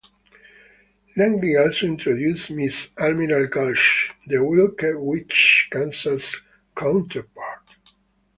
Langley also introduced Miss Almira Gulch, the Wicked Witch's Kansas counterpart.